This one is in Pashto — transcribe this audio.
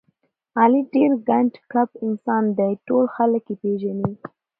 علي ډېر ګنډ کپ انسان دی، ټول خلک یې پېژني.